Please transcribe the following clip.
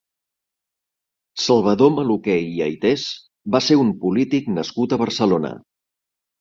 Salvador Maluquer i Aytés va ser un polític nascut a Barcelona.